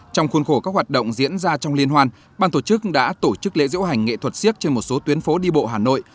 trong khuôn khổ các hoạt động diễn ra trong liên hoan bàn tổ chức đã tổ chức lễ diễu hành nghệ thuật siếc trên một số tuyến phố đi bộ hà nội